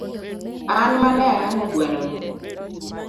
An mane ayang'o gweno ni